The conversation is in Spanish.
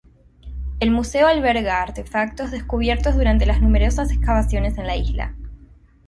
El museo alberga artefactos descubiertos durante las numerosas excavaciones en la isla.